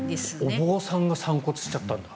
お坊さんが散骨しちゃったと。